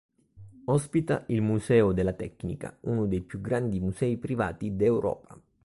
Ospita il Museo della Tecnica, uno dei più grandi musei privati d'Europa.